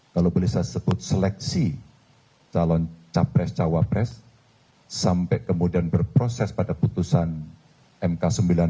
kalau boleh saya sebut seleksi calon capres cawapres sampai kemudian berproses pada putusan mk sembilan puluh sembilan